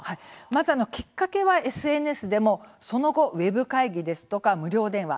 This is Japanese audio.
まず、きっかけはＳＮＳでもその後ウェブ会議ですとか無料電話